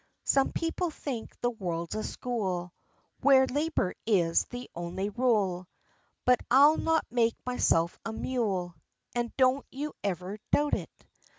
Some people think the world's a school, Where labor is the only rule; But I'll not make myself a mule, And don't you ever doubt it.